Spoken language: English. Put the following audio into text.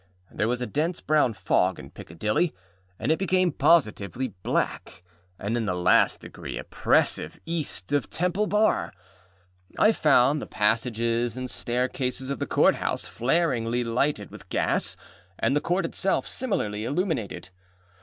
There was a dense brown fog in Piccadilly, and it became positively black and in the last degree oppressive East of Temple Bar. I found the passages and staircases of the Court House flaringly lighted with gas, and the Court itself similarly illuminated.